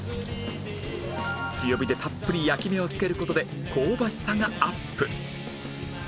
強火でたっぷり焼き目をつける事で香ばしさがアップ！